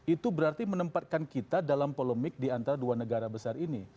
itu berarti menempatkan kita dalam polemik di antara dua negara besar ini